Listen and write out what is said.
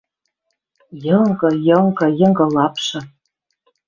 Йынгы, Йынгы, Йынгы лапшы